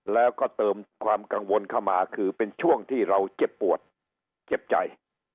แล้วก็เติมความกังวลเข้ามาคือเป็นช่วงที่เราเจ็บปวดเจ็บใจ